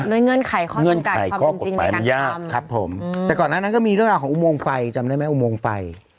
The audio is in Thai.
อุโมงไฟอ๋อประดับไฟใช่ป่าวครับ